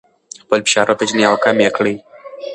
خپل فشار وپیژنئ او کم یې کړئ.